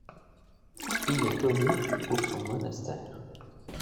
Il est connu pour son monastère.